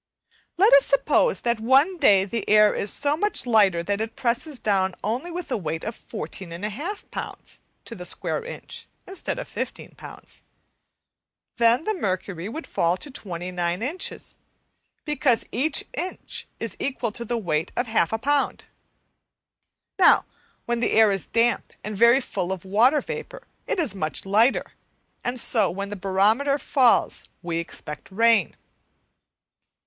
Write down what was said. Let us suppose that one day the air is so much lighter that it presses down only with a weight of 14 1/2 lbs. to the square inch instead of 15 lbs. Then the mercury would fall to 29 inches, because each inch is equal to the weight of half a pound. Now, when the air is damp and very full of water vapour it is much lighter, and so when the barometer falls we expect rain.